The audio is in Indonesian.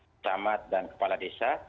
kecamatan dan kepala desa